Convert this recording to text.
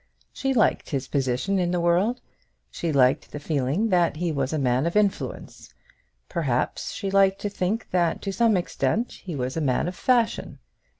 She liked his position in the world; she liked the feeling that he was a man of influence; perhaps she liked to think that to some extent he was a man of fashion.